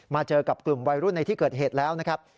เจอกับกลุ่มวัยรุ่นในที่เกิดเหตุแล้วนะครับ